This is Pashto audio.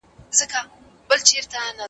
که پلان ولرو نو وخت نه بربادیږي.